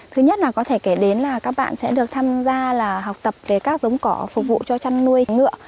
thứ nhất là có thể kể đến là các bạn sẽ được tham gia là học tập về các giống cỏ phục vụ cho chăn nuôi ngựa